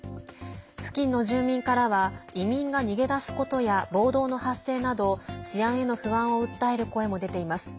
付近の住民からは移民が逃げ出すことや暴動の発生など治安への不安を訴える声も出ています。